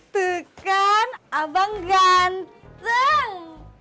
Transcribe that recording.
tuh kan abang ganteng